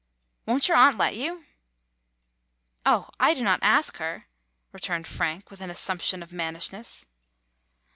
''Won't your aunt let you?" "Oh! I do not ask her," returned Frank, with an assumption of mannishness.